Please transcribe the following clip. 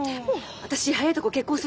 私早いとこ結婚するわ。